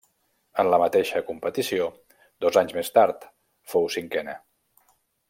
En la mateixa competició, dos anys més tard, fou cinquena.